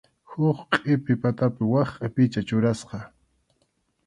Huk qʼipi patapi wak qʼipicha churasqa.